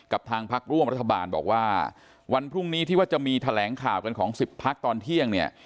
ทางพักร่วมรัฐบาลบอกว่าวันพรุ่งนี้ที่ว่าจะมีแถลงข่าวกันของ๑๐พักตอนเที่ยงเนี่ย